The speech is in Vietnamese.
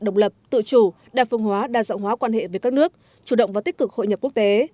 độc lập tự chủ đa phương hóa đa dọng hóa quan hệ với các nước chủ động và tích cực hội nhập quốc tế